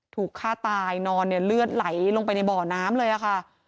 ถูกฆ่าตายนอนเนี่ยเลือดไหลลงไปในบ่อน้ำเลยค่ะ